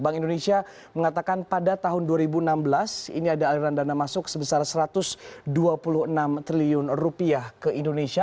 bank indonesia mengatakan pada tahun dua ribu enam belas ini ada aliran dana masuk sebesar rp satu ratus dua puluh enam triliun rupiah ke indonesia